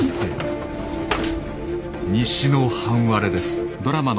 西の半割れです。